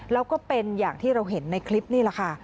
แล้วก็เป็นอย่างที่เราเห็นในคลิปนี่แหละค่ะ